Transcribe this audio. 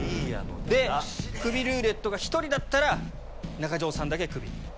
でクビルーレットが１人だったら中条さんだけクビ。